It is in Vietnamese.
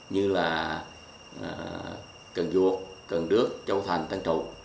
như là cần duộc cần đước châu thành tân trụ